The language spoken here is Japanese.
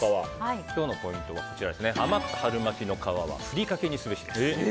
今日のポイントは余った春巻きの皮はふりかけにすべしです。